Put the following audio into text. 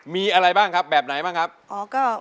มีอะไรบ้างครับแบบไหนบ้างครับ